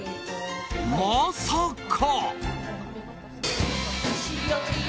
まさか。